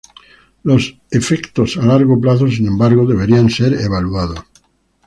Los efectos a largo plazo, sin embargo, deberían ser evaluados.